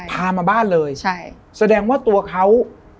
พามาบ้านเลยใช่แสดงว่าตัวเขา